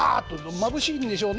まぶしいんでしょうね